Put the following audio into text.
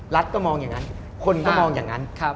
รัฐก็มองอย่างนั้นคนก็มองอย่างนั้น